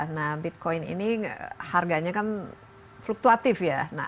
nah bitcoin ini harganya kan fluktuatif ya